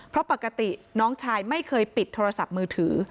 เพราะปกติน้องชายไม่เคยปิดโทรศัพท์มือถือ